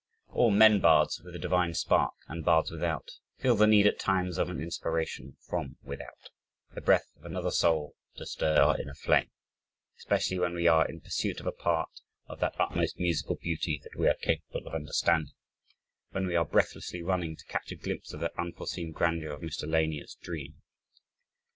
All, men bards with a divine spark, and bards without, feel the need at times of an inspiration from without, "the breath of another soul to stir our inner flame," especially when we are in pursuit of a part of that "utmost musical beauty," that we are capable of understanding when we are breathlessly running to catch a glimpse of that unforeseen grandeur of Mr. Lanier's dream.